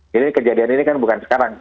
jadi kejadian ini kan bukan sekarang